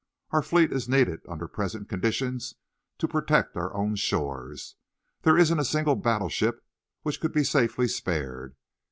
Our fleet is needed under present conditions to protect our own shores. There isn't a single battleship which could be safely spared.